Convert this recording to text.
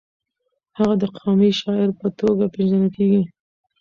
هغه د قامي شاعر په توګه پېژندل شوی.